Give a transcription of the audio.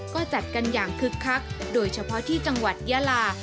ก็จัดกันอย่างคึกคักโดยเฉพาะที่จังหวัดยาลา